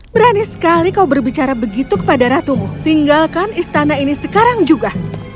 berani sekali kau berbicara begitu kepada ratumu tinggalkan istana ini sekarang juga